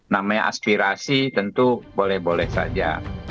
namanya aspirasi tentu boleh boleh saja